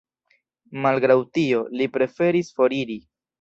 Malgraŭ tio, li preferis foriri.